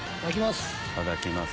いただきます。